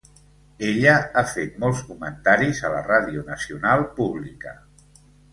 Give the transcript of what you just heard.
Ella ha fet molts comentaris a la Ràdio nacional pública.